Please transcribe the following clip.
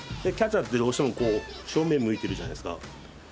キャッチャーってどうしても正面向いてるじゃないですか。